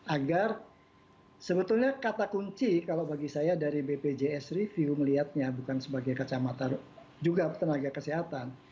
agar sebetulnya kata kunci kalau bagi saya dari bpjs review melihatnya bukan sebagai kacamata juga tenaga kesehatan